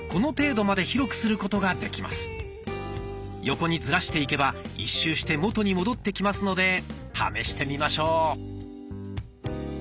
横にズラしていけば一周して元に戻ってきますので試してみましょう。